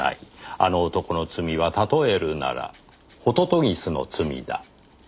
「あの男の罪は例えるなら杜鵑の罪だ」